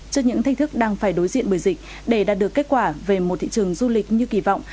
trước những thách thức đang phải đối diện bởi dịch để đạt được kết quả về một thị trường du lịch như kỳ vọng